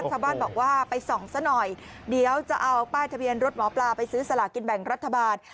ชาวบ้านบอกว่าไปส่องซะหน่อยเดี๋ยวจะเอาป้ายทะเบียนรถหมอปลาไปซื้อสลากินแบ่งรัฐบาล